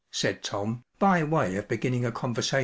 ” said Tom, by way of beginning a conversation.